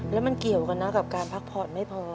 แล้วมันเกี่ยวกันนะกับการพักผ่อนไม่พอ